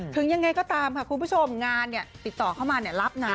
ถึงยังไงก็ตามค่ะคุณผู้ชมงานเนี่ยติดต่อเข้ามารับนะ